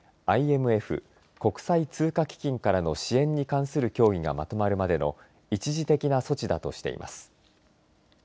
ＩＭＦ、国際通貨基金からの支援に関する協議がまとまるまでの一時的の措置だとしています。